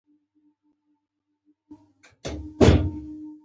د نباتاتو وقایوي درملنه حاصلات ژغوري.